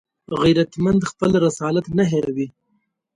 غیرتمند خپل رسالت نه هېروي